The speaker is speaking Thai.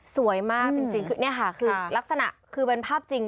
สวยมากจริงคือเนี่ยค่ะคือลักษณะคือเป็นภาพจริง